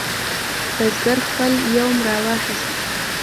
بزګر خپل یوم راواخست.